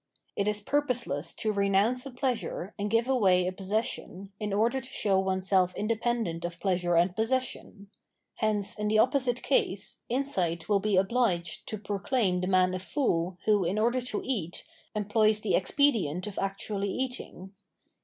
It is purposeless to renounce a pleasure and give away a possession, in order to show oneself independent of pleasure and possession; hence, in the opposite case, insight will be obliged to proclaim the man a fool, who, in order to eat, employs the expedient of actually eating.